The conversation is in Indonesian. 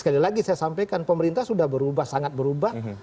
sekali lagi saya sampaikan pemerintah sudah berubah sangat berubah